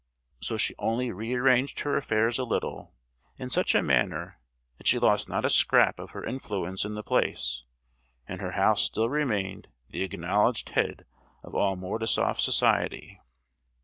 So she only rearranged her affairs a little, in such a manner that she lost not a scrap of her influence in the place, and her house still remained the acknowledged head of all Mordasoff Society!